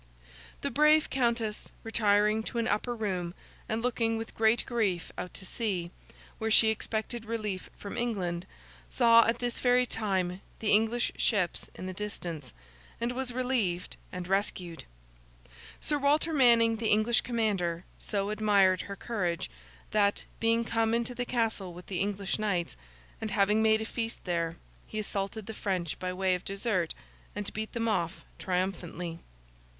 The brave Countess retiring to an upper room and looking with great grief out to sea, where she expected relief from England, saw, at this very time, the English ships in the distance, and was relieved and rescued! Sir Walter Manning, the English commander, so admired her courage, that, being come into the castle with the English knights, and having made a feast there, he assaulted the French by way of dessert, and beat them off triumphantly.